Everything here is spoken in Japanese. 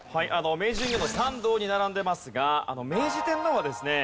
明治神宮の参道に並んでますが明治天皇はですね